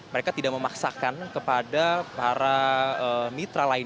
mereka tidak memaksakan kepada para mitra lain